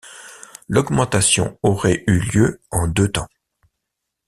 L’augmentation aurait eu lieu en deux temps.